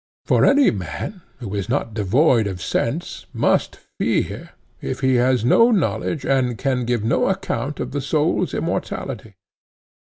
For any man, who is not devoid of sense, must fear, if he has no knowledge and can give no account of the soul's immortality.